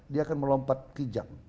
dia akan melompat kijang